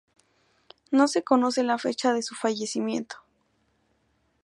No se conoce la fecha de su fallecimiento.